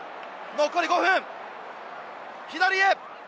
残り５分、左へ。